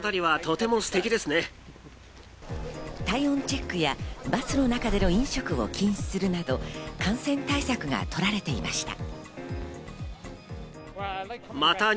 体温チェックやバスの中での飲食を禁止するなど感染対策がとられていました。